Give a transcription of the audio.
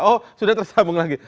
oh sudah tersambung lagi